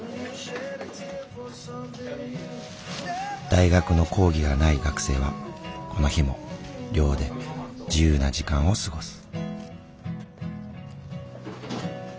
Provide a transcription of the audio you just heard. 大学の講義がない学生はこの日も寮で自由な時間を過ごす。